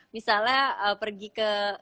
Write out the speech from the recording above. misalnya pergi ke